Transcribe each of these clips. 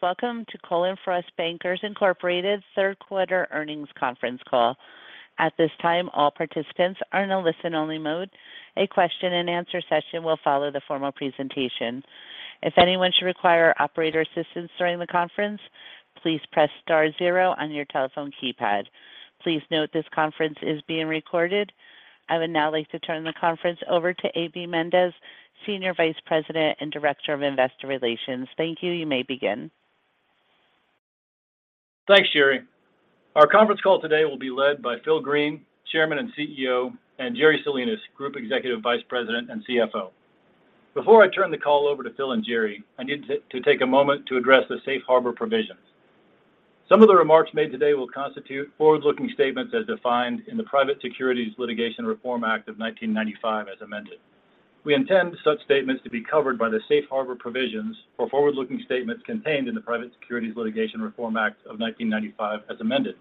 Welcome to Cullen/Frost Bankers, Inc. third quarter earnings conference call. At this time, all participants are in a listen-only mode. A question-and-answer session will follow the formal presentation. If anyone should require operator assistance during the conference, please press star zero on your telephone keypad. Please note this conference is being recorded. I would now like to turn the conference over to A.B. Mendez, Senior Vice President and Director of Investor Relations. Thank you. You may begin. Thanks, Sherry. Our conference call today will be led by Phil Green, Chairman and CEO, and Jerry Salinas, Group Executive Vice President and CFO. Before I turn the call over to Phil and Jerry, I need to take a moment to address the safe harbor provisions. Some of the remarks made today will constitute forward-looking statements as defined in the Private Securities Litigation Reform Act of 1995, as amended. We intend such statements to be covered by the safe harbor provisions for forward-looking statements contained in the Private Securities Litigation Reform Act of 1995, as amended.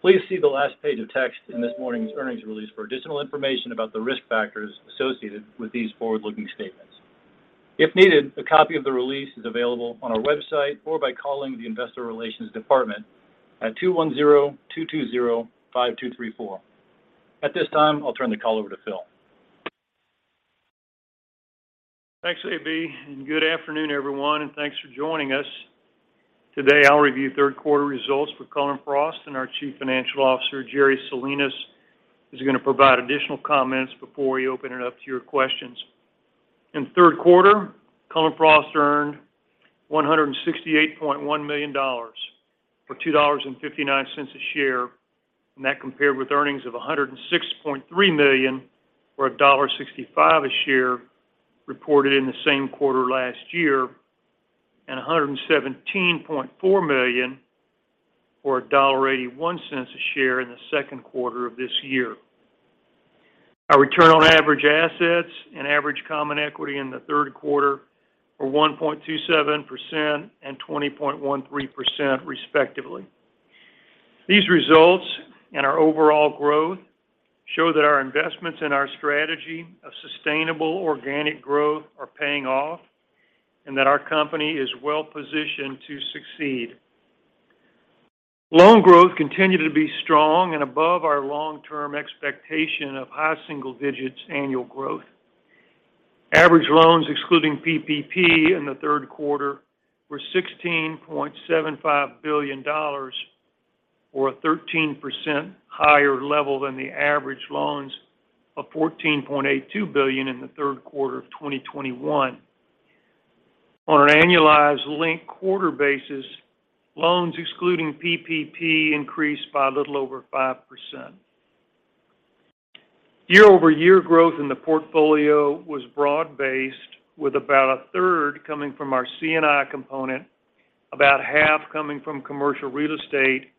Please see the last page of text in this morning's earnings release for additional information about the risk factors associated with these forward-looking statements. If needed, a copy of the release is available on our website or by calling the investor relations department at 210-220-5234. At this time, I'll turn the call over to Phil. Thanks, AB, and good afternoon, everyone, and thanks for joining us. Today, I'll review third quarter results for Cullen/Frost and our Chief Financial Officer, Jerry Salinas, is going to provide additional comments before we open it up to your questions. In the third quarter, Cullen/Frost earned $168.1 million, or $2.59 a share. That compared with earnings of $106.3 million, or $1.65 a share, reported in the same quarter last year, and $117.4 million, or $1.81 a share in the second quarter of this year. Our return on average assets and average common equity in the third quarter were 1.27% and 20.13%, respectively. These results and our overall growth show that our investments in our strategy of sustainable organic growth are paying off and that our company is well-positioned to succeed. Loan growth continued to be strong and above our long-term expectation of high single digits annual growth. Average loans, excluding PPP in the third quarter, were $16.75 billion or a 13% higher level than the average loans of $14.82 billion in the third quarter of 2021. On an annualized linked-quarter basis, loans excluding PPP increased by a little over 5%. Year-over-year growth in the portfolio was broad-based, with about a third coming from our C&I component, about half coming from commercial real estate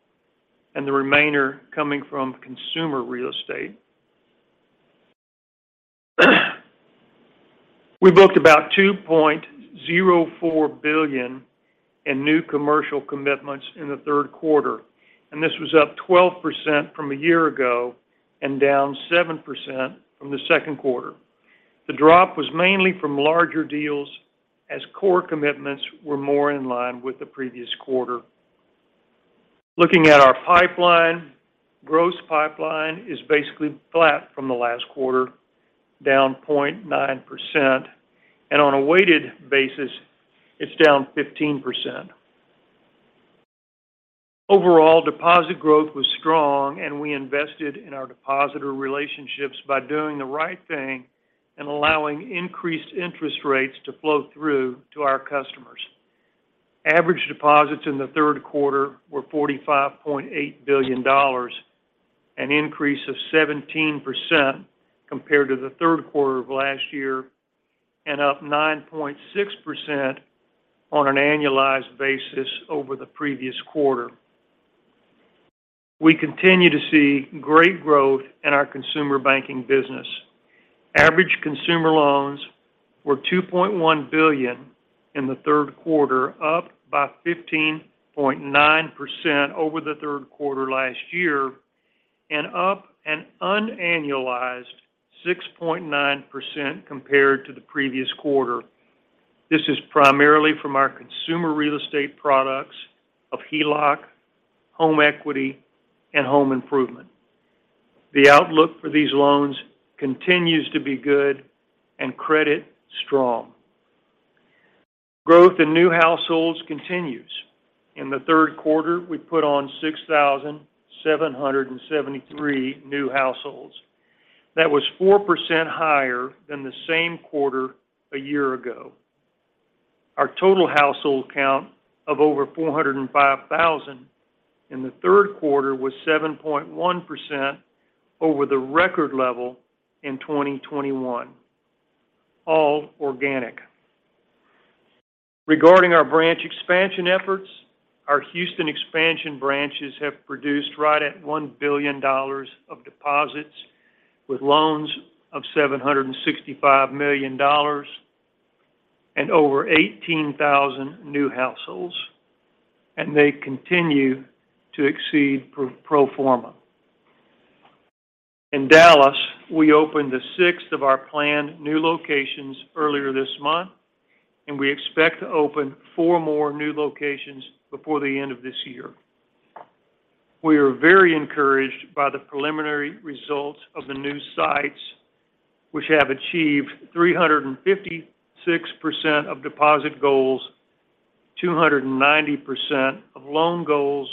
and the remainder coming from consumer real estate. We booked about $2.04 billion in new commercial commitments in the third quarter, and this was up 12% from a year ago and down 7% from the second quarter. The drop was mainly from larger deals as core commitments were more in line with the previous quarter. Looking at our pipeline, gross pipeline is basically flat from the last quarter, down 0.9%, and on a weighted basis, it's down 15%. Overall, deposit growth was strong, and we invested in our depositor relationships by doing the right thing and allowing increased interest rates to flow through to our customers. Average deposits in the third quarter were $45.8 billion, an increase of 17% compared to the third quarter of last year and up 9.6% on an annualized basis over the previous quarter. We continue to see great growth in our consumer banking business. Average consumer loans were $2.1 billion in the third quarter, up by 15.9% over the third quarter last year and up an unannualized 6.9% compared to the previous quarter. This is primarily from our consumer real estate products of HELOC, home equity, and home improvement. The outlook for these loans continues to be good and credit strong. Growth in new households continues. In the third quarter, we put on 6,773 new households. That was 4% higher than the same quarter a year ago. Our total household count of over 405,000 in the third quarter was 7.1% over the record level in 2021. All organic. Regarding our branch expansion efforts, our Houston expansion branches have produced right at $1 billion of deposits with loans of $765 million and over 18,000 new households, and they continue to exceed pro forma. In Dallas, we opened the 6th of our planned new locations earlier this month, and we expect to open 4 more new locations before the end of this year. We are very encouraged by the preliminary results of the new sites, which have achieved 356% of deposit goals, 290% of loan goals,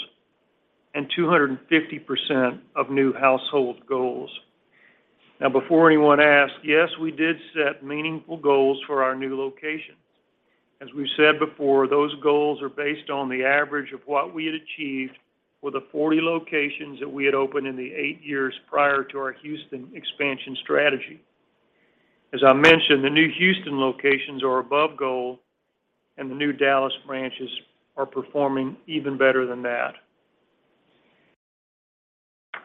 and 250% of new household goals. Now, before anyone asks, yes, we did set meaningful goals for our new locations. As we've said before, those goals are based on the average of what we had achieved with the 40 locations that we had opened in the 8 years prior to our Houston expansion strategy. As I mentioned, the new Houston locations are above goal, and the new Dallas branches are performing even better than that.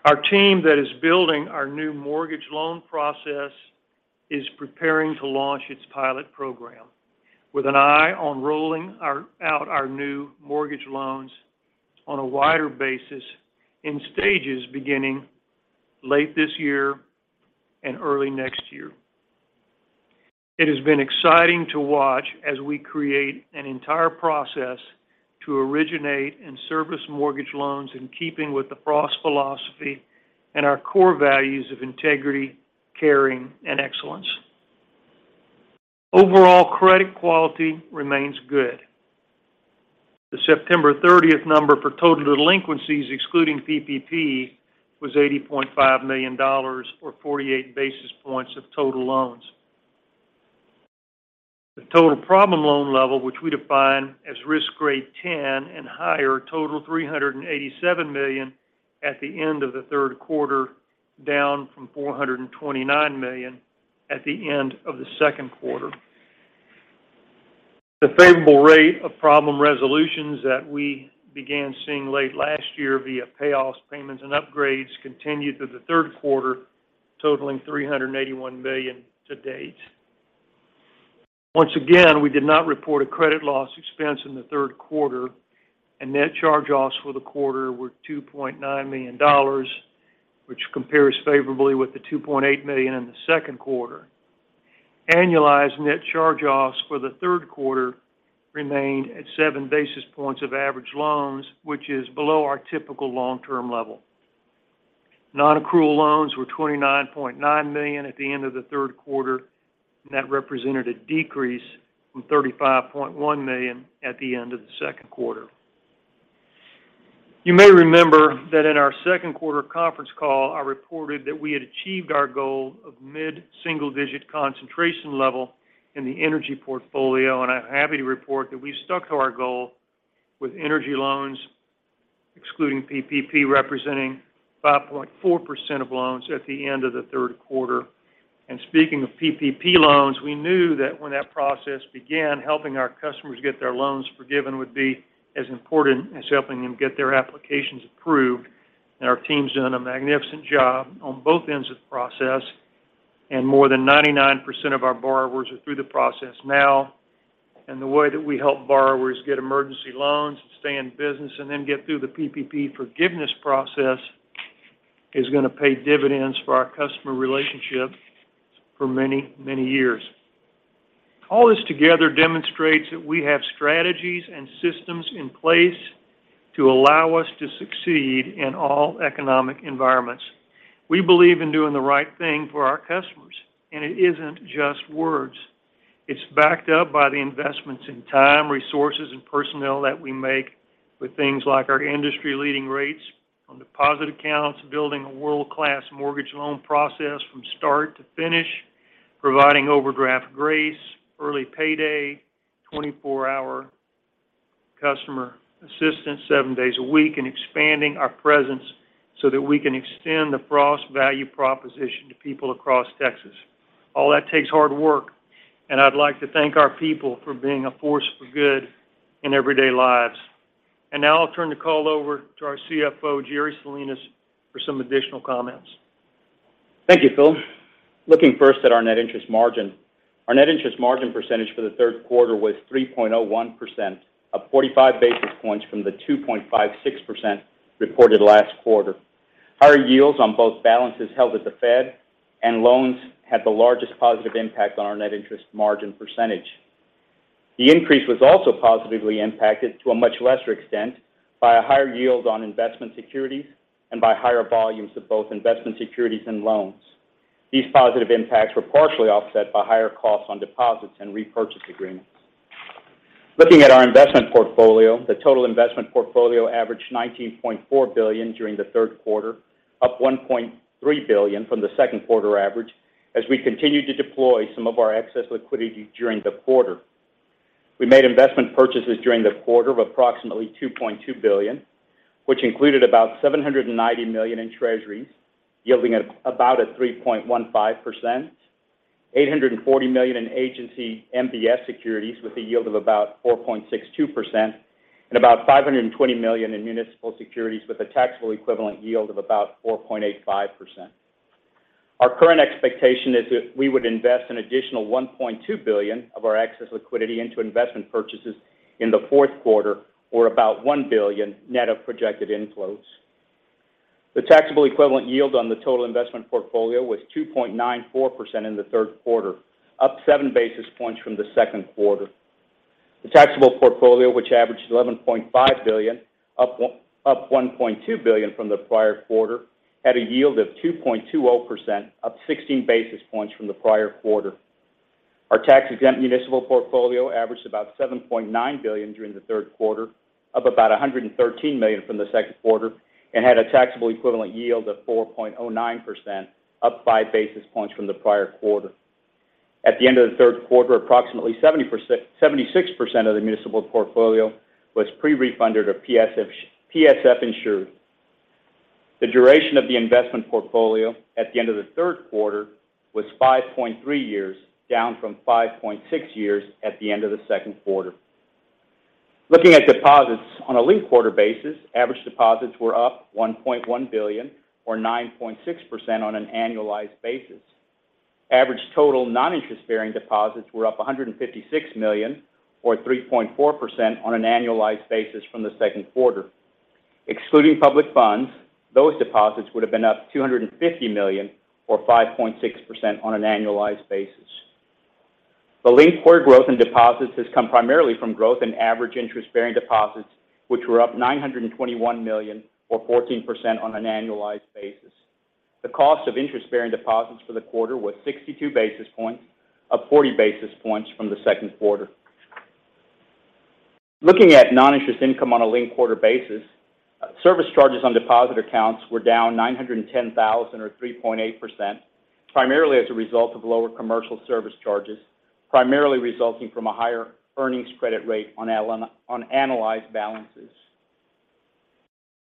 Our team that is building our new mortgage loan process is preparing to launch its pilot program with an eye on rolling out our new mortgage loans on a wider basis in stages beginning late this year and early next year. It has been exciting to watch as we create an entire process to originate and service mortgage loans in keeping with the Frost philosophy and our core values of integrity, caring, and excellence. Overall credit quality remains good. The September 30 number for total delinquencies, excluding PPP, was $80.5 million or 48 basis points of total loans. The total problem loan level, which we define as risk grade 10 and higher, totaled $387 million at the end of the third quarter, down from $429 million at the end of the second quarter. The favorable rate of problem resolutions that we began seeing late last year via payoffs, payments, and upgrades continued through the third quarter, totaling $381 million to date. Once again, we did not report a credit loss expense in the third quarter, and net charge-offs for the quarter were $2.9 million, which compares favorably with the $2.8 million in the second quarter. Annualized net charge-offs for the third quarter remained at 7 basis points of average loans, which is below our typical long-term level. Non-accrual loans were $29.9 million at the end of the third quarter, and that represented a decrease from $35.1 million at the end of the second quarter. You may remember that in our second quarter conference call, I reported that we had achieved our goal of mid-single-digit concentration level in the energy portfolio, and I'm happy to report that we've stuck to our goal with energy loans, excluding PPP, representing 5.4% of loans at the end of the third quarter. Speaking of PPP loans, we knew that when that process began, helping our customers get their loans forgiven would be as important as helping them get their applications approved. Our team's done a magnificent job on both ends of the process, and more than 99% of our borrowers are through the process now. The way that we help borrowers get emergency loans, stay in business, and then get through the PPP forgiveness process is going to pay dividends for our customer relationships for many, many years. All this together demonstrates that we have strategies and systems in place to allow us to succeed in all economic environments. We believe in doing the right thing for our customers, and it isn't just words. It's backed up by the investments in time, resources, and personnel that we make with things like our industry-leading rates on deposit accounts, building a world-class mortgage loan process from start to finish, providing overdraft grace, early payday, 24-hour customer assistance seven days a week, and expanding our presence so that we can extend the Frost value proposition to people across Texas. All that takes hard work, and I'd like to thank our people for being a force for good in everyday lives. Now I'll turn the call over to our CFO, Jerry Salinas, for some additional comments. Thank you, Phil. Looking first at our net interest margin, our net interest margin percentage for the third quarter was 3.1%, up 45 basis points from the 2.56% reported last quarter. Higher yields on both balances held at the Fed and loans had the largest positive impact on our net interest margin percentage. The increase was also positively impacted to a much lesser extent by a higher yield on investment securities and by higher volumes of both investment securities and loans. These positive impacts were partially offset by higher costs on deposits and repurchase agreements. Looking at our investment portfolio, the total investment portfolio averaged $19.4 billion during the third quarter, up $1.3 billion from the second quarter average as we continued to deploy some of our excess liquidity during the quarter. We made investment purchases during the quarter of approximately $2.2 billion, which included about $790 million in treasuries, yielding at about a 3.15%, $840 million in agency MBS securities with a yield of about 4.62%, and about $520 million in municipal securities with a taxable equivalent yield of about 4.85%. Our current expectation is that we would invest an additional $1.2 billion of our excess liquidity into investment purchases in the fourth quarter or about $1 billion net of projected inflows. The taxable equivalent yield on the total investment portfolio was 2.94% in the third quarter, up seven basis points from the second quarter. The taxable portfolio, which averaged $11.5 billion, up $1.2 billion from the prior quarter, had a yield of 2.20%, up 16 basis points from the prior quarter. Our tax-exempt municipal portfolio averaged about $7.9 billion during the third quarter, up about $113 million from the second quarter, and had a taxable equivalent yield of 4.09%, up 5 basis points from the prior quarter. At the end of the third quarter, approximately 76% of the municipal portfolio was pre-refunded or PSF insured. The duration of the investment portfolio at the end of the third quarter was 5.3 years, down from 5.6 years at the end of the second quarter. Looking at deposits on a linked quarter basis, average deposits were up $1.1 billion or 9.6% on an annualized basis. Average total non-interest bearing deposits were up $156 million or 3.4% on an annualized basis from the second quarter. Excluding public funds, those deposits would have been up $250 million or 5.6% on an annualized basis. The linked quarter growth in deposits has come primarily from growth in average interest-bearing deposits, which were up $921 million or 14% on an annualized basis. The cost of interest-bearing deposits for the quarter was 62 basis points, up 40 basis points from the second quarter. Looking at non-interest income on a linked quarter basis, service charges on deposit accounts were down $910,000 or 3.8%, primarily as a result of lower commercial service charges, primarily resulting from a higher earnings credit rate on analyzed balances.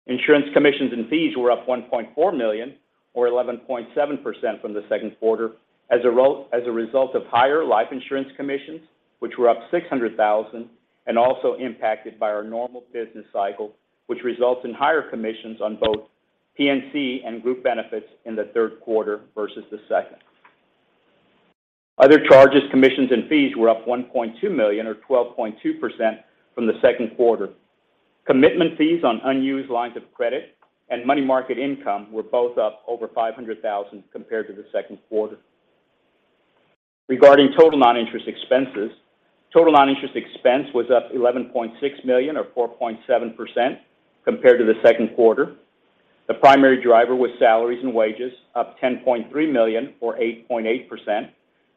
Insurance commissions and fees were up $1.4 million or 11.7% from the second quarter as a result of higher life insurance commissions, which were up $600,000 and also impacted by our normal business cycle, which results in higher commissions on both P&C and group benefits in the third quarter versus the second. Other charges, commissions, and fees were up $1.2 million or 12.2% from the second quarter. Commitment fees on unused lines of credit and money market income were both up over $500,000 compared to the second quarter. Regarding total non-interest expenses, total non-interest expense was up $11.6 million or 4.7% compared to the second quarter. The primary driver was salaries and wages, up $10.3 million or 8.8%,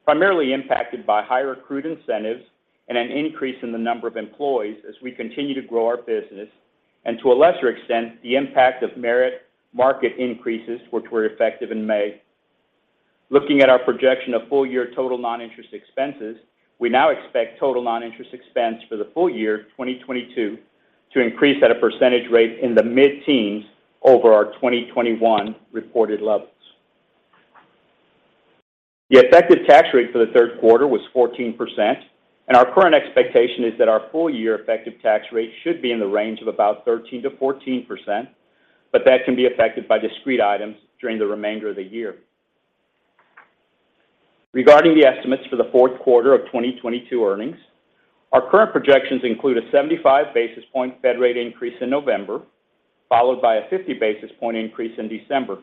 primarily impacted by higher recruit incentives and an increase in the number of employees as we continue to grow our business, and to a lesser extent, the impact of merit market increases, which were effective in May. Looking at our projection of full-year total non-interest expenses, we now expect total non-interest expense for the full year 2022 to increase at a percentage rate in the mid-teens over our 2021 reported levels. The effective tax rate for the third quarter was 14%, and our current expectation is that our full-year effective tax rate should be in the range of about 13%-14%, but that can be affected by discrete items during the remainder of the year. Regarding the estimates for the fourth quarter of 2022 earnings, our current projections include a 75 basis point Fed rate increase in November, followed by a 50 basis point increase in December.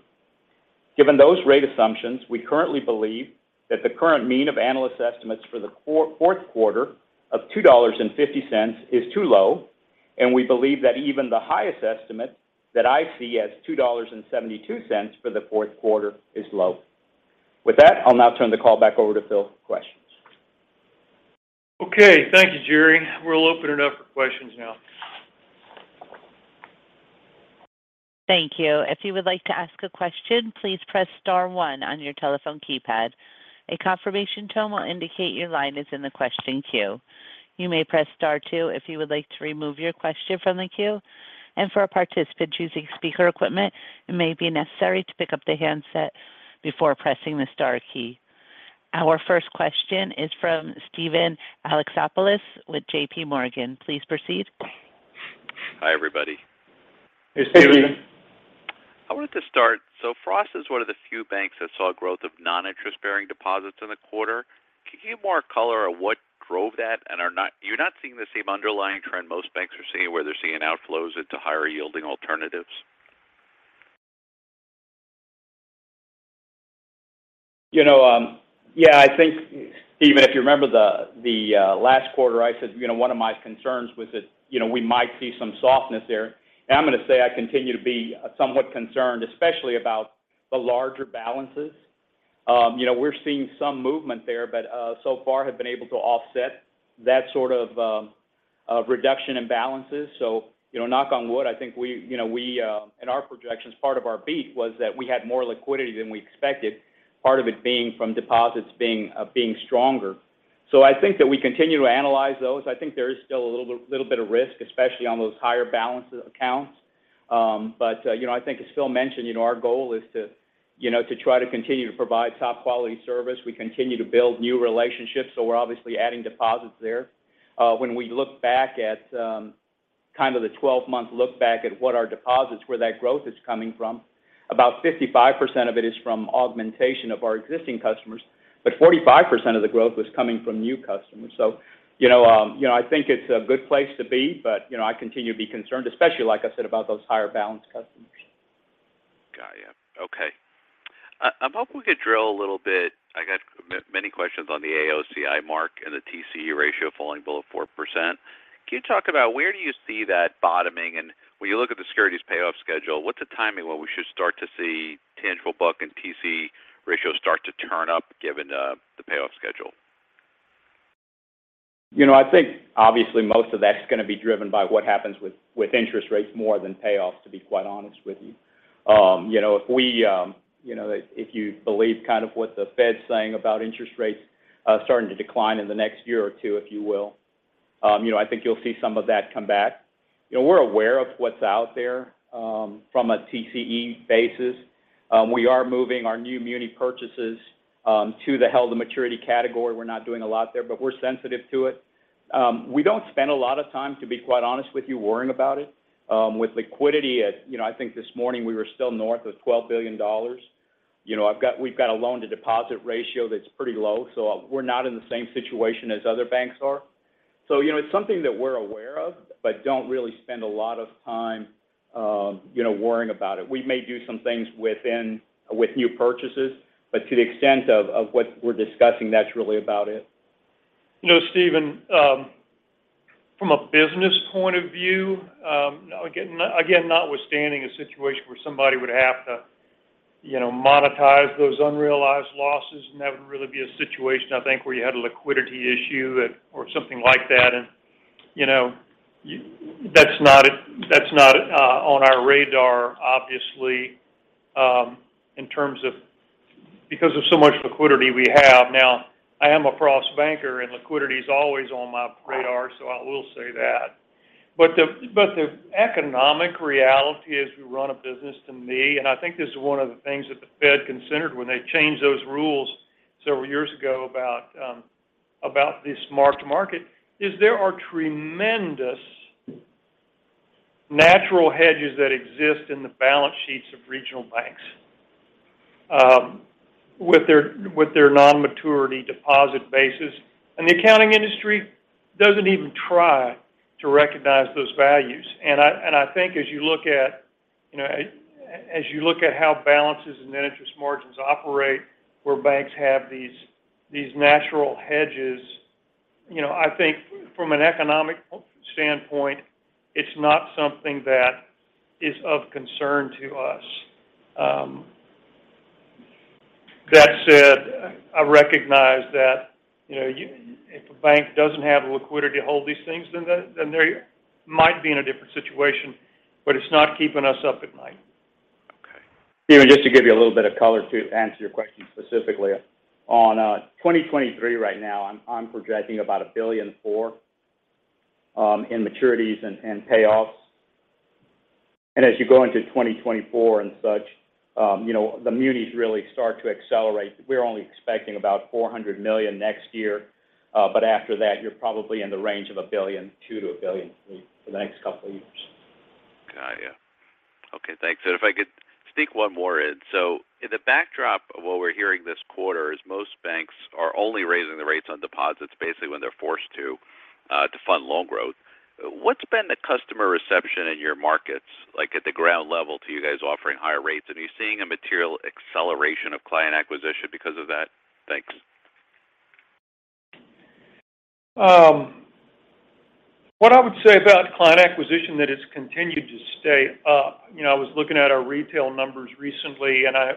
Given those rate assumptions, we currently believe that the current mean of analyst estimates for the fourth quarter of $2.50 is too low, and we believe that even the highest estimate that I see as $2.72 for the fourth quarter is low. With that, I'll now turn the call back over to Phil for questions. Okay. Thank you, Jerry. We'll open it up for questions now. Thank you. If you would like to ask a question, please press star one on your telephone keypad. A confirmation tone will indicate your line is in the question queue. You may press star two if you would like to remove your question from the queue. For a participant choosing speaker equipment, it may be necessary to pick up the handset before pressing the star key. Our first question is from Steven Alexopoulos with JPMorgan. Please proceed. Hi, everybody. Hey, Steven. I wanted to start. Frost is one of the few banks that saw growth of non-interest-bearing deposits in the quarter. Can you give more color on what drove that? You're not seeing the same underlying trend most banks are seeing where they're seeing outflows into higher yielding alternatives. You know, I think, Steven, if you remember the last quarter, I said, you know, one of my concerns was that, you know, we might see some softness there. I'm going to say I continue to be somewhat concerned, especially about the larger balances. You know, we're seeing some movement there, but so far have been able to offset that sort of reduction in balances. You know, knock on wood, I think we, you know, in our projections, part of our beat was that we had more liquidity than we expected, part of it being from deposits being stronger. I think that we continue to analyze those. I think there is still a little bit of risk, especially on those higher balance accounts. But, you know, I think as Phil mentioned, you know, our goal is to, you know, to try to continue to provide top quality service. We continue to build new relationships, so we're obviously adding deposits there. When we look back at kind of the 12-month look back at what our deposits, where that growth is coming from. About 55% of it is from augmentation of our existing customers, but 45% of the growth was coming from new customers. You know, you know, I think it's a good place to be, but, you know, I continue to be concerned, especially like I said, about those higher balance customers. Got you. Okay. I'm hoping we could drill a little bit. I got many questions on the AOCI mark and the TCE ratio falling below 4%. Can you talk about where do you see that bottoming? When you look at the securities payoff schedule, what's the timing when we should start to see tangible book and TCE ratios start to turn up given the payoff schedule? You know, I think obviously most of that's gonna be driven by what happens with interest rates more than payoffs, to be quite honest with you. You know, if you believe kind of what the Fed's saying about interest rates starting to decline in the next year or two, if you will, you know, I think you'll see some of that come back. You know, we're aware of what's out there from a TCE basis. We are moving our new muni purchases to the held-to-maturity category. We're not doing a lot there, but we're sensitive to it. We don't spend a lot of time, to be quite honest with you, worrying about it. With liquidity at, you know, I think this morning we were still north of $12 billion. You know, we've got a loan-to-deposit ratio that's pretty low, so we're not in the same situation as other banks are. You know, it's something that we're aware of, but don't really spend a lot of time, you know, worrying about it. We may do some things with new purchases, but to the extent of what we're discussing, that's really about it. You know, Steven, from a business point of view, again, notwithstanding a situation where somebody would have to, you know, monetize those unrealized losses, and that would really be a situation, I think, where you had a liquidity issue or something like that. You know, that's not on our radar, obviously, in terms of because of so much liquidity we have. Now, I am a Frost banker, and liquidity is always on my radar, so I will say that. But the economic reality is we run a business to me, and I think this is one of the things that the Fed considered when they changed those rules several years ago about this mark-to-market. There are tremendous natural hedges that exist in the balance sheets of regional banks with their non-maturity deposit basis. The accounting industry doesn't even try to recognize those values. I think as you look at how balances and net interest margins operate, where banks have these natural hedges, you know, I think from an economic standpoint, it's not something that is of concern to us. That said, I recognize that, you know, if a bank doesn't have the liquidity to hold these things, then they might be in a different situation, but it's not keeping us up at night. Okay. Steven, just to give you a little bit of color to answer your question specifically. On 2023 right now, I'm projecting about $1.4 billion in maturities and payoffs. As you go into 2024 and such, the munis really start to accelerate. We're only expecting about $400 million next year. After that, you're probably in the range of $1.2 billion-$1.3 billion for the next couple of years. Got you. Okay, thanks. If I could sneak one more in. In the backdrop of what we're hearing this quarter is most banks are only raising the rates on deposits basically when they're forced to to fund loan growth. What's been the customer reception in your markets, like at the ground level to you guys offering higher rates? Are you seeing a material acceleration of client acquisition because of that? Thanks. What I would say about client acquisition that it's continued to stay up. You know, I was looking at our retail numbers recently, and I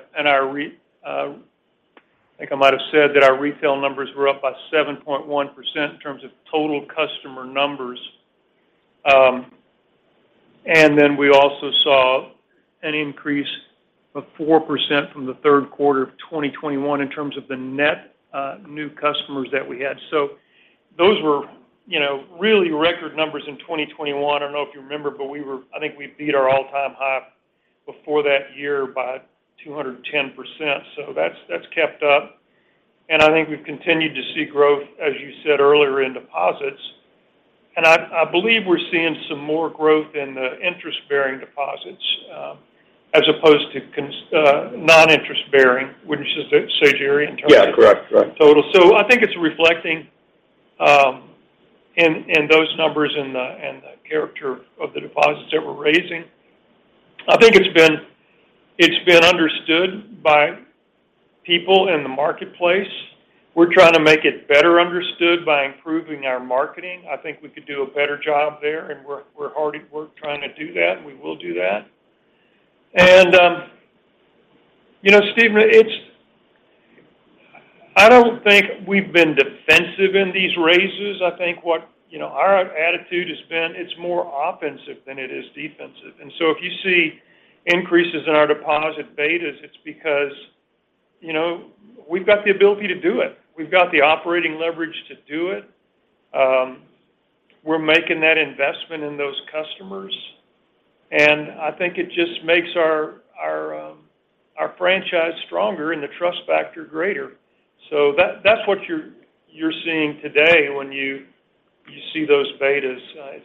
think I might have said that our retail numbers were up by 7.1% in terms of total customer numbers. And then we also saw an increase of 4% from the third quarter of 2021 in terms of the net new customers that we had. So those were, you know, really record numbers in 2021. I don't know if you remember, but I think we beat our all-time high before that year by 210%. So that's kept up. I think we've continued to see growth, as you said earlier, in deposits. I believe we're seeing some more growth in the interest-bearing deposits, as opposed to non-interest-bearing, wouldn't you say, Jerry, in terms of- Yeah, correct.... total. I think it's reflecting in those numbers and the character of the deposits that we're raising. I think it's been understood by people in the marketplace. We're trying to make it better understood by improving our marketing. I think we could do a better job there, and we're hard at work trying to do that, and we will do that. You know, Steven, it's I don't think we've been defensive in these raises. I think, you know, our attitude has been it's more offensive than it is defensive. If you see increases in our deposit betas, it's because, you know, we've got the ability to do it. We've got the operating leverage to do it. We're making that investment in those customers. I think it just makes our franchise stronger and the trust factor greater. That’s what you’re seeing today when you see those betas.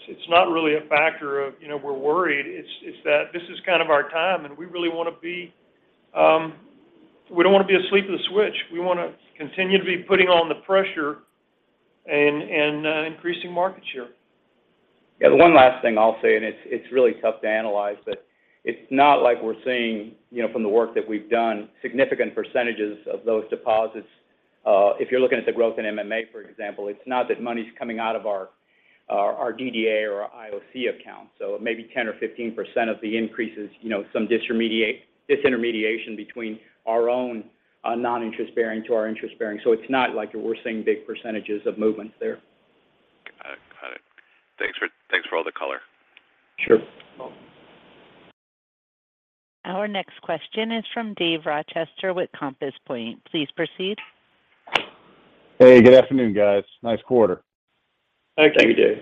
It’s not really a factor of, you know, we’re worried. It’s that this is kind of our time, and we really don’t wanna be asleep at the switch. We wanna continue to be putting on the pressure and increasing market share. Yeah. The one last thing I'll say, and it's really tough to analyze, but it's not like we're seeing, you know, from the work that we've done, significant percentages of those deposits. If you're looking at the growth in MMA, for example, it's not that money's coming out of our DDA or our IOC account. Maybe 10 or 15% of the increases, you know, some disintermediation between our own non-interest bearing to our interest bearing. It's not like we're seeing big percentages of movements there. Got it. Thanks for all the color. Sure. Welcome. Our next question is from David Rochester with Compass Point. Please proceed. Hey, good afternoon, guys. Nice quarter. Thanks. Thank you, Dave.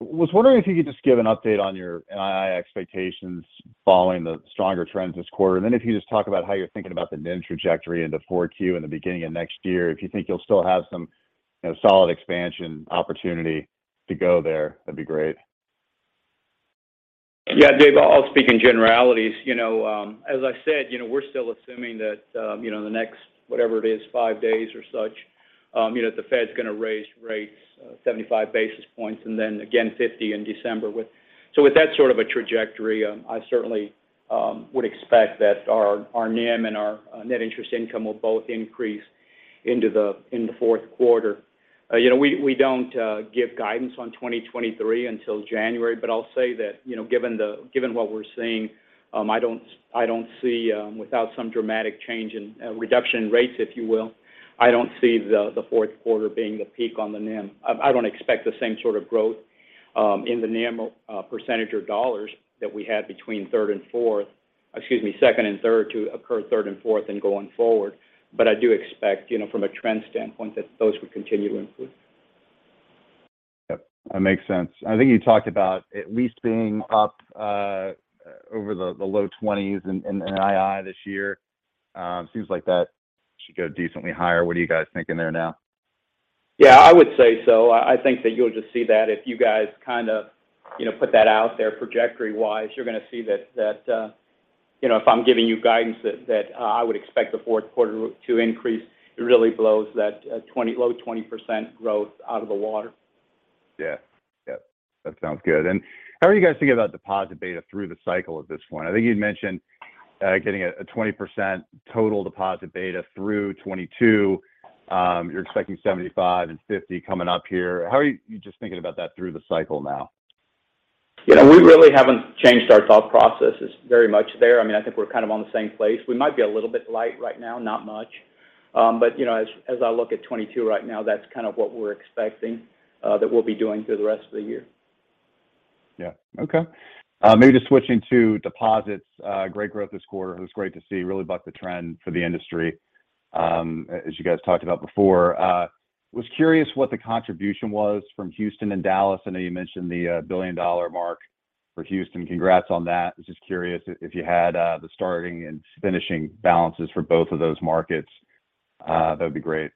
Was wondering if you could just give an update on your NII expectations following the stronger trends this quarter. Then if you just talk about how you're thinking about the NIM trajectory into 4Q and the beginning of next year. If you think you'll still have some, you know, solid expansion opportunity to go there, that'd be great. Yeah, Dave. I'll speak in generalities. You know, as I said, you know, we're still assuming that, you know, in the next, whatever it is, 5 days or such, you know, the Fed's gonna raise rates, 75 basis points and then again 50 in December. With that sort of a trajectory, I certainly would expect that our NIM and our net interest income will both increase in the fourth quarter. You know, we don't give guidance on 2023 until January. I'll say that, you know, given what we're seeing, I don't see without some dramatic change in reduction in rates, if you will, the fourth quarter being the peak on the NIM. I don't expect the same sort of growth in the NIM percentage of dollars that we had between second and third to occur third and fourth and going forward. I do expect, you know, from a trend standpoint, that those would continue to improve. Yep, that makes sense. I think you talked about at least being up over the low 20s in NII this year. Seems like that should go decently higher. What are you guys thinking there now? Yeah, I would say so. I think that you'll just see that if you guys kinda, you know, put that out there trajectory-wise. You're gonna see that you know if I'm giving you guidance that I would expect the fourth quarter to increase. It really blows that low 20% growth out of the water. Yeah. Yep. That sounds good. How are you guys thinking about deposit beta through the cycle at this point? I think you'd mentioned getting a 20% total deposit beta through 2022. You're expecting 75 and 50 coming up here. How are you just thinking about that through the cycle now? You know, we really haven't changed our thought processes very much there. I mean, I think we're kind of on the same page. We might be a little bit light right now, not much. You know, as I look at 2022 right now, that's kind of what we're expecting, that we'll be doing through the rest of the year. Yeah. Okay. Maybe just switching to deposits. Great growth this quarter. It was great to see. Really bucked the trend for the industry, as you guys talked about before. Was curious what the contribution was from Houston and Dallas. I know you mentioned the billion-dollar mark for Houston. Congrats on that. Was just curious if you had the starting and finishing balances for both of those markets, that would be great.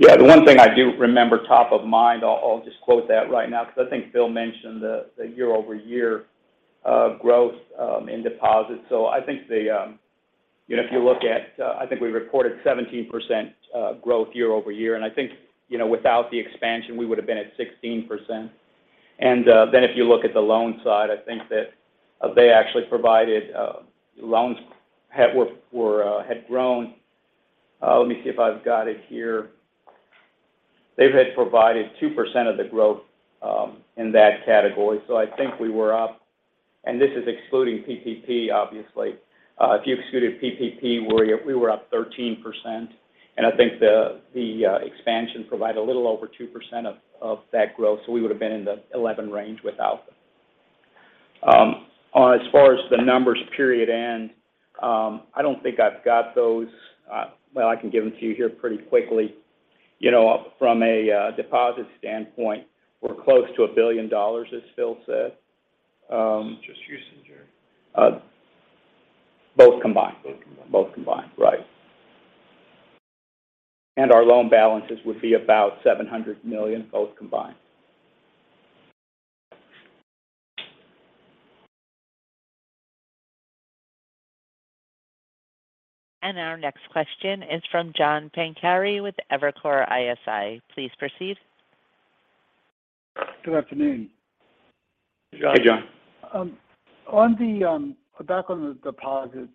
Yeah. The one thing I do remember top of mind, I'll just quote that right now because I think Phil mentioned the year-over-year growth in deposits. I think you know, if you look at, I think we reported 17% growth year-over-year. I think you know, without the expansion, we would've been at 16%. Then if you look at the loan side, I think that they actually provided loans had grown. Let me see if I've got it here. They provided 2% of the growth in that category. I think we were up, and this is excluding PPP, obviously. If you excluded PPP, we were up 13%. I think the expansion provided a little over 2% of that growth, so we would've been in the 11 range without them. As far as the numbers period end, I don't think I've got those. Well, I can give them to you here pretty quickly. You know, from a deposit standpoint, we're close to $1 billion, as Phil said. Just Houston or? Both combined. Both combined. Both combined, right. Our loan balances would be about $700 million, both combined. Our next question is from John Pancari with Evercore ISI. Please proceed. Good afternoon. Hey, John. Hey, John. On the back on the deposit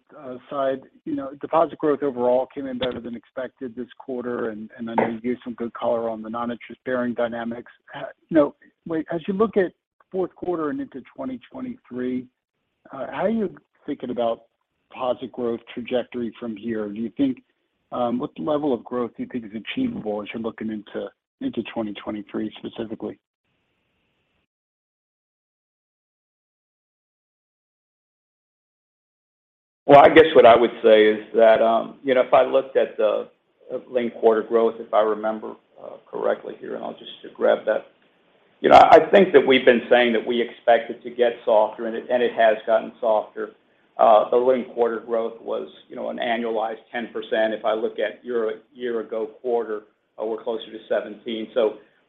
side. You know, deposit growth overall came in better than expected this quarter, and I know you gave some good color on the non-interest bearing dynamics. As you look at fourth quarter and into 2023, how are you thinking about deposit growth trajectory from here? Do you think what level of growth do you think is achievable as you're looking into 2023 specifically? Well, I guess what I would say is that, you know, if I looked at the linked-quarter growth, if I remember correctly here, and I'll just grab that. You know, I think that we've been saying that we expect it to get softer, and it has gotten softer. The linked-quarter growth was, you know, an annualized 10%. If I look at year-ago quarter, we're closer to 17%.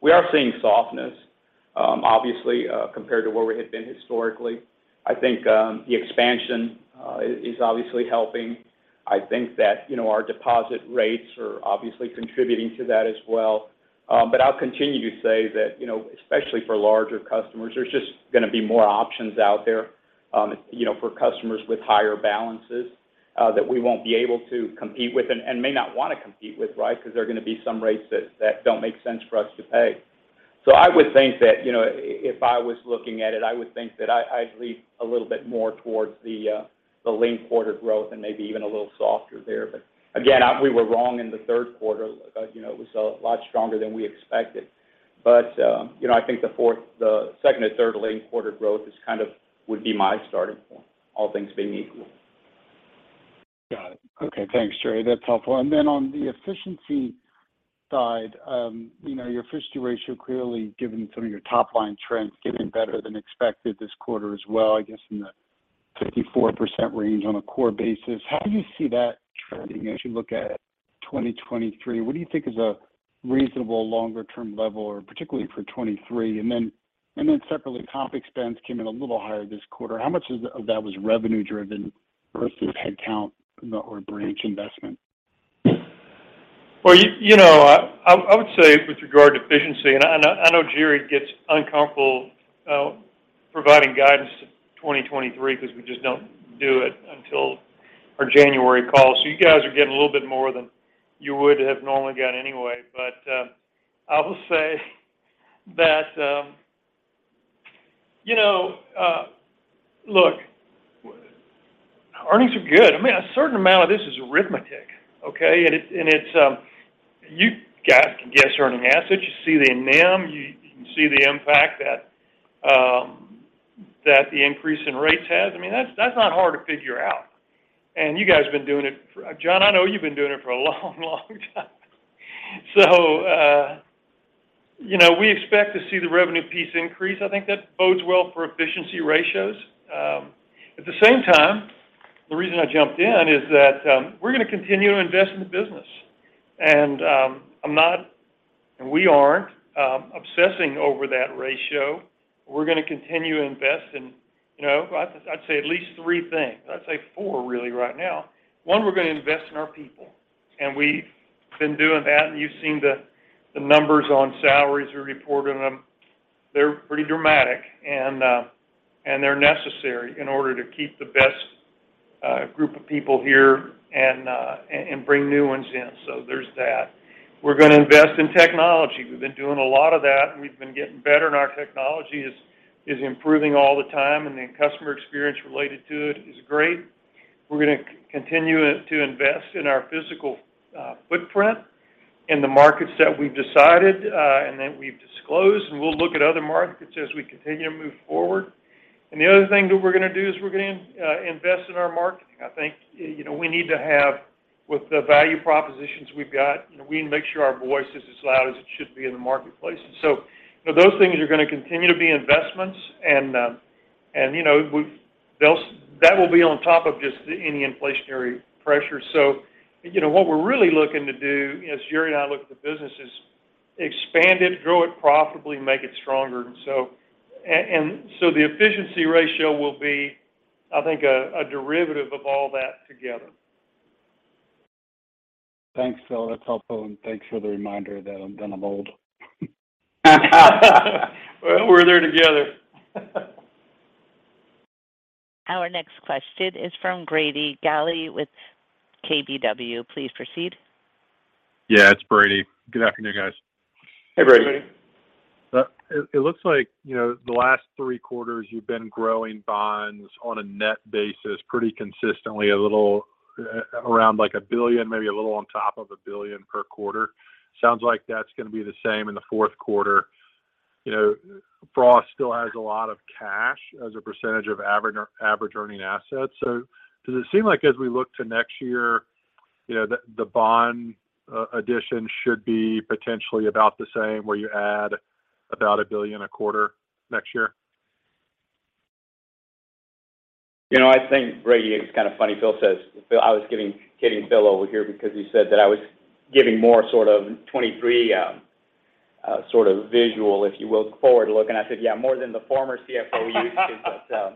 We are seeing softness, obviously, compared to where we had been historically. I think the expansion is obviously helping. I think that, you know, our deposit rates are obviously contributing to that as well. I'll continue to say that, you know, especially for larger customers, there's just gonna be more options out there, you know, for customers with higher balances, that we won't be able to compete with and may not wanna compete with, right? Because there are gonna be some rates that don't make sense for us to pay. I would think that, you know, if I was looking at it, I would think that I'd lean a little bit more towards the linked quarter growth and maybe even a little softer there. Again, we were wrong in the third quarter. You know, it was a lot stronger than we expected. You know, I think the second or third linked quarter growth would be my starting point, all things being equal. Got it. Okay. Thanks, Jerry. That's helpful. Then on the efficiency side, you know, your efficiency ratio clearly, given some of your top-line trends, getting better than expected this quarter as well, I guess in the 54% range on a core basis. How do you see that trending as you look at 2023? What do you think is a reasonable longer-term level, or particularly for 2023? Then separately, comp expense came in a little higher this quarter. How much of that was revenue-driven versus headcount or branch investment? Well, you know, I would say with regard to efficiency, and I know Jerry gets uncomfortable providing guidance to 2023 because we just don't do it until our January call. You guys are getting a little bit more than you would have normally got anyway. I will say that, you know, look, earnings are good. I mean, a certain amount of this is arithmetic, okay? It's you guys can guess earning assets. You see the NIM. You can see the impact that the increase in rates has. I mean, that's not hard to figure out. You guys have been doing it for, Jon, I know you've been doing it for a long time. You know, we expect to see the revenue piece increase. I think that bodes well for efficiency ratios. At the same time, the reason I jumped in is that, we're gonna continue to invest in the business. We aren't obsessing over that ratio. We're gonna continue to invest in, you know, I'd say at least three things. I'd say four really right now. One, we're gonna invest in our people, and we've been doing that. You've seen the numbers on salaries. We reported them. They're pretty dramatic, and they're necessary in order to keep the best group of people here and bring new ones in. There's that. We're gonna invest in technology. We've been doing a lot of that, and we've been getting better, and our technology is improving all the time, and the customer experience related to it is great. We're gonna continue to invest in our physical footprint in the markets that we've decided and that we've disclosed, and we'll look at other markets as we continue to move forward. The other thing that we're gonna do is invest in our marketing. I think, you know, we need to have, with the value propositions we've got, you know, we need to make sure our voice is as loud as it should be in the marketplace. You know, those things are gonna continue to be investments and, you know, that will be on top of just any inflationary pressure. You know, what we're really looking to do, as Jerry and I look at the business, is expand it, grow it profitably, make it stronger. The efficiency ratio will be, I think, a derivative of all that together. Thanks, Phil. That's helpful. Thanks for the reminder that I'm old. Well, we're there together. Our next question is from Brady Gailey with KBW. Please proceed. Yeah, it's Brady. Good afternoon, guys. Hey, Brady. Hey. It looks like, you know, the last three quarters you've been growing bonds on a net basis pretty consistently, a little, around like $1 billion, maybe a little on top of $1 billion per quarter. Sounds like that's gonna be the same in the fourth quarter. You know, Frost still has a lot of cash as a percentage of average earning assets. So does it seem like as we look to next year, you know, the bond addition should be potentially about the same, where you add about $1 billion a quarter next year? You know, I think Brady, it's kind of funny. Phil says Phil I was kidding Phil over here because he said that I was giving more sort of 2023 sort of visual, if you will, forward-looking. I said, "Yeah, more than the former CFO used to."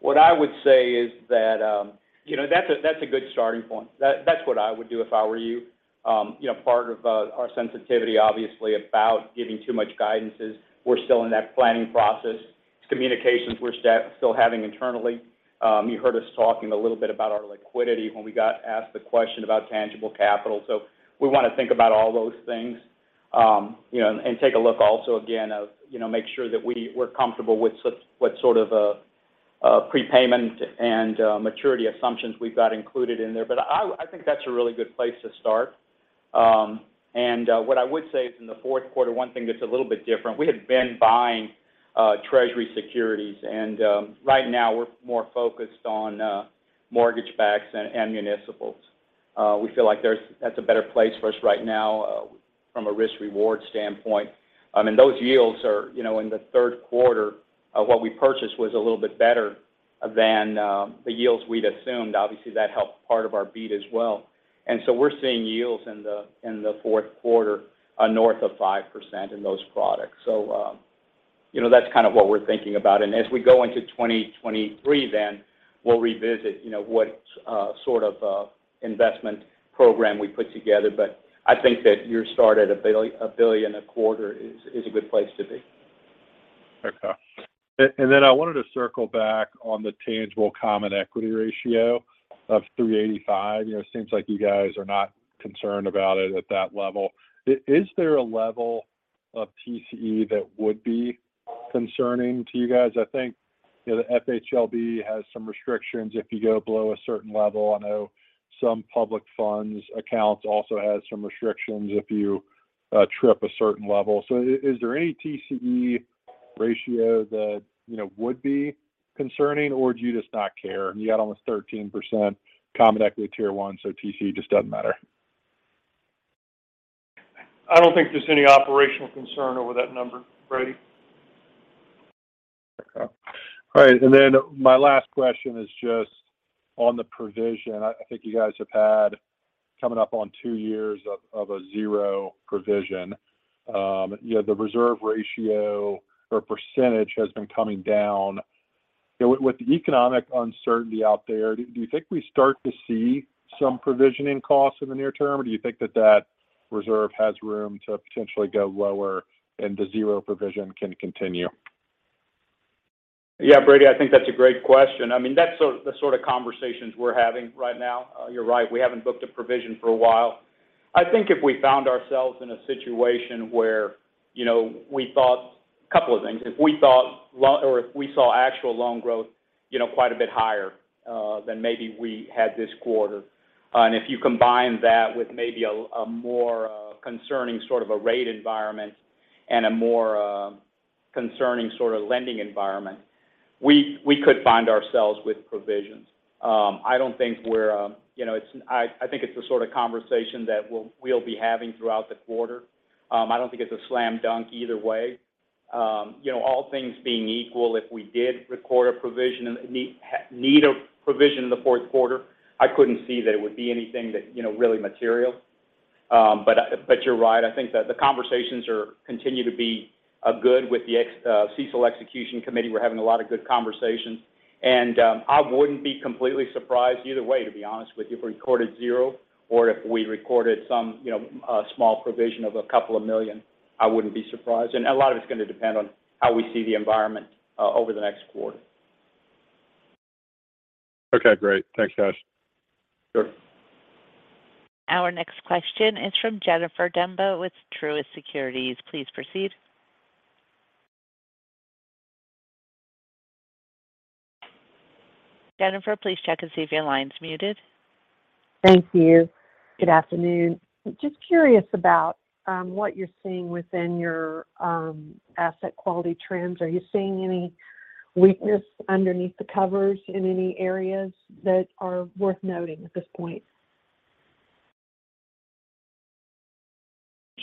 What I would say is that you know, that's a good starting point. That's what I would do if I were you. You know, part of our sensitivity obviously about giving too much guidance is we're still in that planning process. It's communications we're still having internally. You heard us talking a little bit about our liquidity when we got asked the question about tangible capital. We want to think about all those things, you know, and take a look also again of, you know, make sure that we're comfortable with what sort of prepayment and maturity assumptions we've got included in there. I think that's a really good place to start. What I would say is in the fourth quarter, one thing that's a little bit different, we had been buying treasury securities. Right now we're more focused on mortgage backs and municipals. We feel like that's a better place for us right now from a risk-reward standpoint. I mean, those yields are, you know, in the third quarter of what we purchased was a little bit better than the yields we'd assumed. Obviously, that helped part of our beat as well. We're seeing yields in the fourth quarter north of 5% in those products. You know, that's kind of what we're thinking about. As we go into 2023 then, we'll revisit, you know, what sort of investment program we put together. I think that your start at $1 billion a quarter is a good place to be. Okay. I wanted to circle back on the tangible common equity ratio of 3.85%. You know, it seems like you guys are not concerned about it at that level. Is there a level of TCE that would be concerning to you guys? I think, you know, the FHLB has some restrictions if you go below a certain level. I know some public funds accounts also has some restrictions if you trip a certain level. Is there any TCE ratio that, you know, would be concerning, or do you just not care? You got almost 13% common equity tier one, so TCE just doesn't matter. I don't think there's any operational concern over that number, Brady. Okay. All right. My last question is just on the provision. I think you guys have had coming up on two years of a zero provision. You know, the reserve ratio or percentage has been coming down. You know, with the economic uncertainty out there, do you think we start to see some provisioning costs in the near term, or do you think that reserve has room to potentially go lower and the zero provision can continue? Yeah, Brady, I think that's a great question. I mean, that's the sort of conversations we're having right now. You're right. We haven't booked a provision for a while. I think if we found ourselves in a situation where, you know, a couple of things. If we thought or if we saw actual loan growth, you know, quite a bit higher than maybe we had this quarter, and if you combine that with maybe a more concerning sort of a rate environment and a more concerning sort of lending environment, we could find ourselves with provisions. I don't think we're. You know, I think it's the sort of conversation that we'll be having throughout the quarter. I don't think it's a slam dunk either way. You know, all things being equal, if we did record a provision in the fourth quarter, I couldn't see that it would be anything that, you know, really material. You're right. I think that the conversations continue to be good with the CECL execution committee. We're having a lot of good conversations. I wouldn't be completely surprised either way, to be honest with you, if we recorded zero or if we recorded some, you know, a small provision of a couple of million. I wouldn't be surprised. A lot of it is gonna depend on how we see the environment over the next quarter. Okay, great. Thanks, Josh. Sure. Our next question is from Jennifer Demba with Truist Securities. Please proceed. Jennifer, please check to see if your line's muted. Thank you. Good afternoon. Just curious about what you're seeing within your asset quality trends. Are you seeing any weakness underneath the covers in any areas that are worth noting at this point?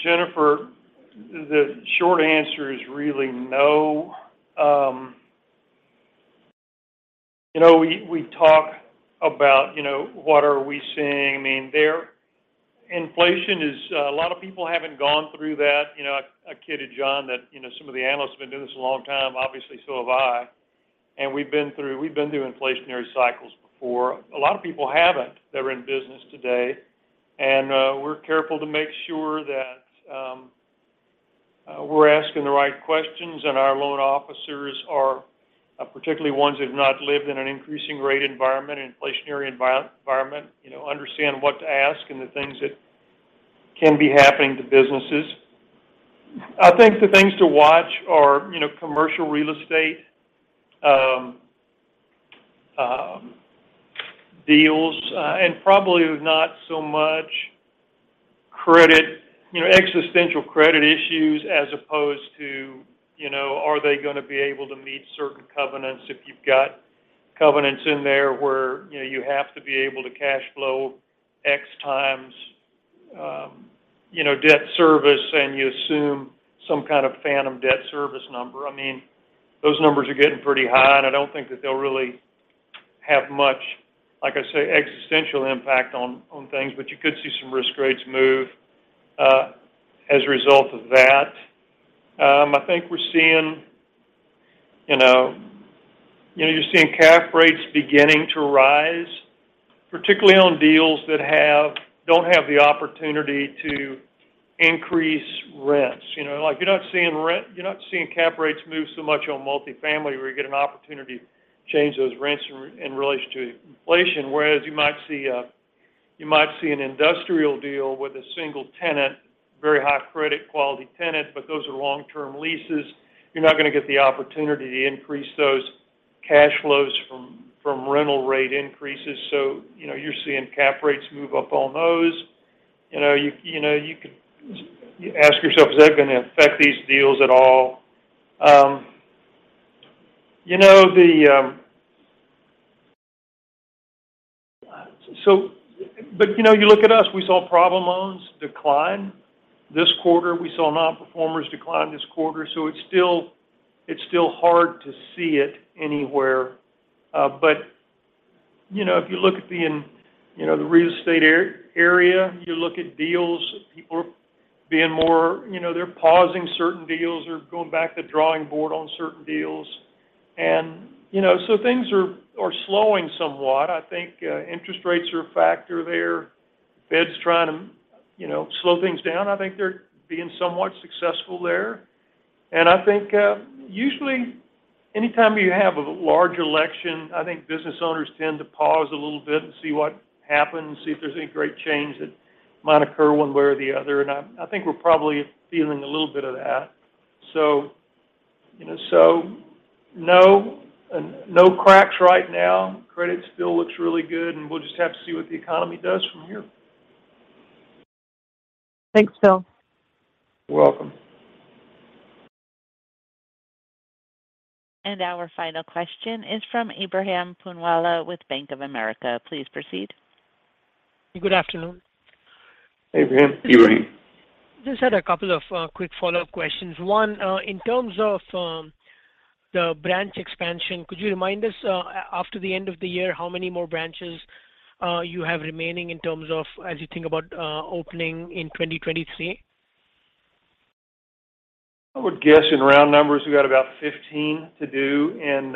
Jennifer, the short answer is really no. You know, we talk about, you know, what are we seeing. I mean, inflation is a lot of people haven't gone through that. You know, I kidded John that, you know, some of the analysts have been doing this a long time. Obviously, so have I. We've been through inflationary cycles before. A lot of people haven't that are in business today. We're careful to make sure that we're asking the right questions, and our loan officers are particularly ones that have not lived in an increasing rate environment, inflationary environment, you know, understand what to ask and the things that can be happening to businesses. I think the things to watch are, you know, commercial real estate deals, and probably not so much credit, you know, existential credit issues as opposed to, you know, are they gonna be able to meet certain covenants. If you've got covenants in there where, you know, you have to be able to cash flow X times, you know, debt service, and you assume some kind of phantom debt service number. I mean, those numbers are getting pretty high, and I don't think that they'll really have much, like I say, existential impact on things. You could see some risk ratings move as a result of that. I think we're seeing, you know, you're seeing cap rates beginning to rise, particularly on deals that don't have the opportunity to increase rents. You know, like, you're not seeing cap rates move so much on multifamily where you get an opportunity to change those rents in relation to inflation. Whereas you might see an industrial deal with a single tenant, very high credit quality tenant, but those are long-term leases. You're not gonna get the opportunity to increase those cash flows from rental rate increases. You know, you're seeing cap rates move up on those. You know, you could ask yourself, is that gonna affect these deals at all? You look at us, we saw problem loans decline this quarter. We saw nonperformers decline this quarter. It's still hard to see it anywhere. You know, if you look at the real estate area, you look at deals, people are being more, you know, they're pausing certain deals or going back to the drawing board on certain deals. You know, things are slowing somewhat. I think interest rates are a factor there. The Fed's trying to, you know, slow things down. I think they're being somewhat successful there. I think usually anytime you have a large election, business owners tend to pause a little bit and see what happens, see if there's any great change that might occur one way or the other. I think we're probably feeling a little bit of that. You know, no cracks right now. Credit still looks really good, and we'll just have to see what the economy does from here. Thanks, Phil. You're welcome. Our final question is from Ebrahim Poonawala with Bank of America. Please proceed. Good afternoon. Hey, Ebrahim. Just had a couple of quick follow-up questions. One, in terms of the branch expansion, could you remind us, after the end of the year, how many more branches you have remaining in terms of as you think about opening in 2023? I would guess in round numbers, we got about 15 to do in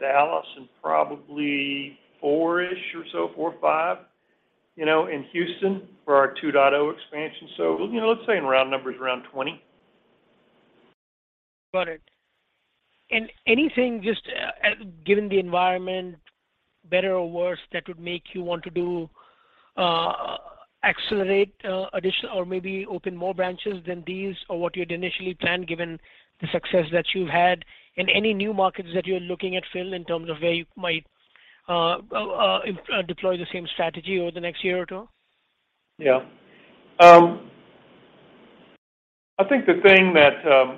Dallas and probably 4-ish or so, 4 or 5, you know, in Houston for our 2.0 expansion. You know, let's say in round numbers, around 20. Got it. Anything just, given the environment, better or worse, that would make you want to do accelerate addition or maybe open more branches than these or what you had initially planned, given the success that you've had? In any new markets that you're looking at, Phil, in terms of where you might deploy the same strategy over the next year or two? Yeah. I think the thing that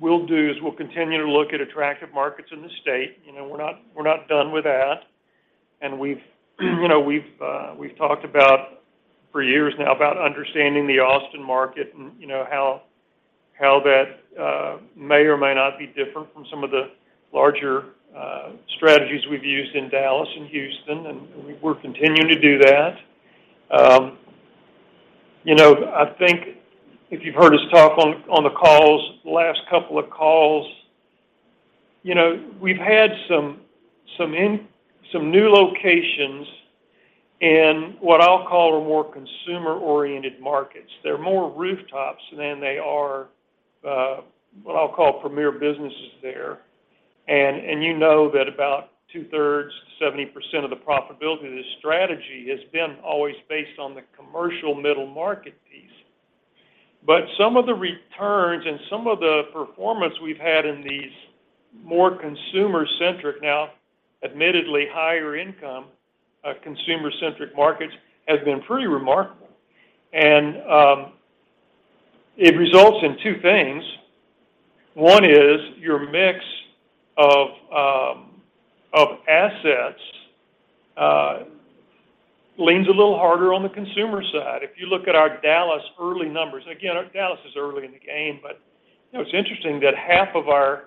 we'll do is we'll continue to look at attractive markets in the state. You know, we're not done with that. We've talked about for years now about understanding the Austin market and, you know, how that may or may not be different from some of the larger strategies we've used in Dallas and Houston, and we're continuing to do that. You know, I think if you've heard us talk on the calls, the last couple of calls, you know, we've had some new locations in what I'll call are more consumer-oriented markets. They're more rooftops than they are what I'll call premier businesses there. You know that about two-thirds, 70% of the profitability of this strategy has been always based on the commercial middle market piece. Some of the returns and some of the performance we've had in these more consumer-centric, now admittedly higher income, consumer-centric markets has been pretty remarkable. It results in two things. One is your mix of assets leans a little harder on the consumer side. If you look at our Dallas early numbers, again, Dallas is early in the game, but you know, it's interesting that half of our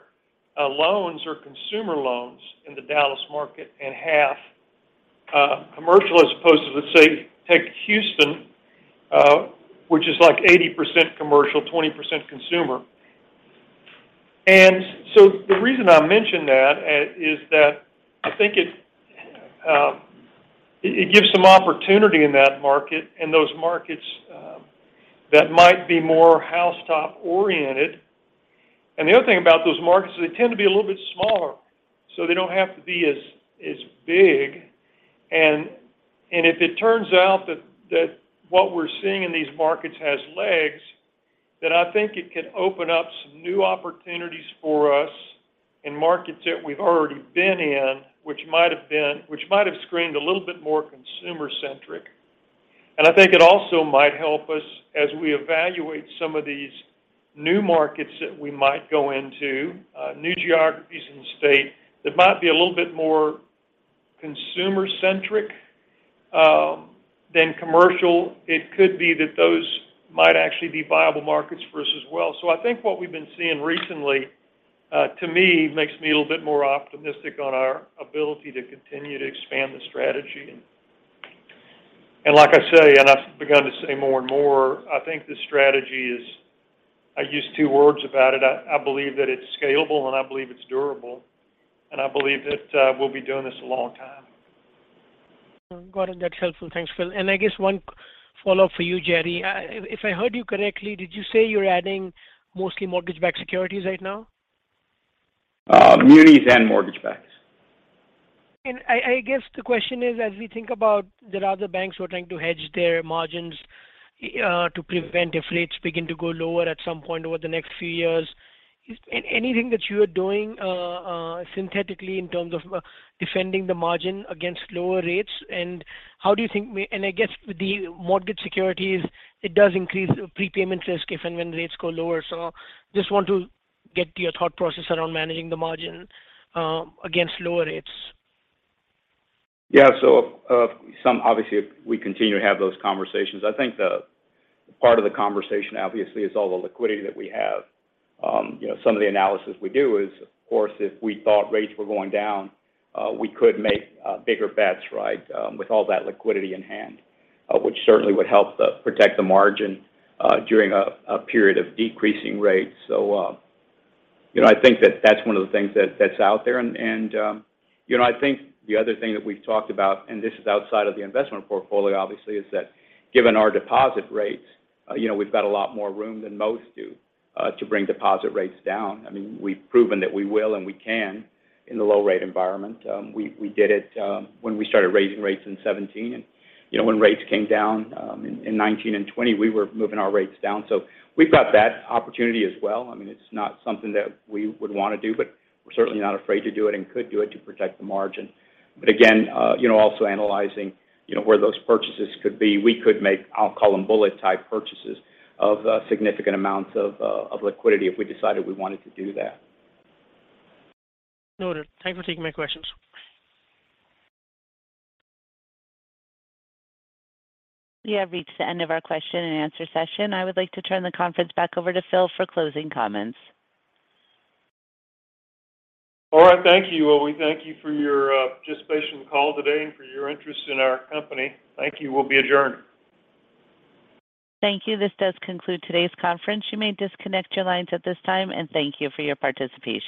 loans are consumer loans in the Dallas market and half commercial, as opposed to, let's say, take Houston, which is like 80% commercial, 20% consumer. The reason I mention that is that I think it gives some opportunity in that market and those markets that might be more Houston oriented. The other thing about those markets is they tend to be a little bit smaller, so they don't have to be as big. If it turns out that what we're seeing in these markets has legs, then I think it can open up some new opportunities for us in markets that we've already been in, which might have screened a little bit more consumer-centric. I think it also might help us as we evaluate some of these new markets that we might go into, new geographies in the state that might be a little bit more consumer-centric than commercial. It could be that those might actually be viable markets for us as well. I think what we've been seeing recently, to me, makes me a little bit more optimistic on our ability to continue to expand the strategy. Like I say, and I've begun to say more and more, I think the strategy is, I use two words about it. I believe that it's scalable, and I believe it's durable, and I believe that we'll be doing this a long time. Got it. That's helpful. Thanks, Phil. I guess one follow-up for you, Jerry. If I heard you correctly, did you say you're adding mostly mortgage-backed securities right now? Munis and mortgage backs. I guess the question is, as we think about there are other banks who are trying to hedge their margins to prevent if rates begin to go lower at some point over the next few years. Is anything that you are doing synthetically in terms of defending the margin against lower rates? I guess with the mortgage securities, it does increase prepayment risk if and when rates go lower. Just want to get your thought process around managing the margin against lower rates. Yeah. Some obviously, if we continue to have those conversations. I think the part of the conversation obviously is all the liquidity that we have. You know, some of the analysis we do is, of course, if we thought rates were going down, we could make bigger bets, right, with all that liquidity in hand. Which certainly would protect the margin during a period of decreasing rates. You know, I think that's one of the things that's out there. You know, I think the other thing that we've talked about, and this is outside of the investment portfolio obviously, is that given our deposit rates, you know, we've got a lot more room than most do to bring deposit rates down. I mean, we've proven that we will and we can in the low rate environment. We did it when we started raising rates in 2017. You know, when rates came down in 2019 and 2020 we were moving our rates down. We've got that opportunity as well. I mean, it's not something that we would wanna do, but we're certainly not afraid to do it and could do it to protect the margin. Again, you know, also analyzing, you know, where those purchases could be. We could make, I'll call them bullet type purchases of significant amounts of liquidity if we decided we wanted to do that. Noted. Thank you for taking my questions. We have reached the end of our question and answer session. I would like to turn the conference back over to Phil for closing comments. All right. Thank you. Well, we thank you for your participation call today and for your interest in our company. Thank you. We'll be adjourned. Thank you. This does conclude today's conference. You may disconnect your lines at this time, and thank you for your participation.